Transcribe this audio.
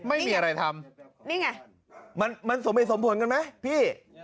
ไม่มีอะไรทำนี่ไงมันสมเหตุสมผลกันไหมพี่